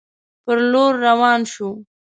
پر لور روان شو.